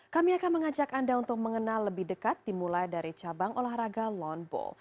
kami akan mengajak anda untuk mengenal lebih dekat dimulai dari cabang olahraga loan ball